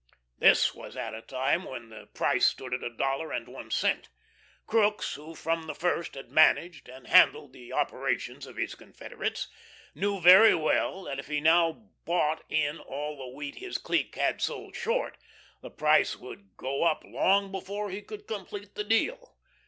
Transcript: This was at a time when the price stood at a dollar and one cent. Crookes who from the first had managed and handled the operations of his confederates knew very well that if he now bought in all the wheat his clique had sold short, the price would go up long before he could complete the deal.